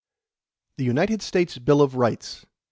The United States Bill of Rights.